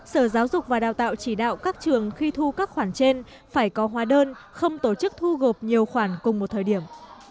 sở giáo dục và đào tạo chỉ đạo các trường khi thu các khoản trên phải có hóa đơn không tổ chức thu gộp nhiều khoản cùng một thời điểm